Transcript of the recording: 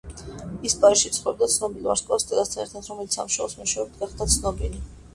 ის პარიზში ცხოვრობდა ცნობილ ვარსკვლავ სტელასთან ერთად, რომელიც ამ შოუს მეშვეობით გახდა ცნობილი.